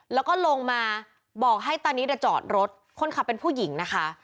แล้วก็ลงมาบอกให้ตานิดจอดรถคนขับเป็นผู้หญิงนะคะ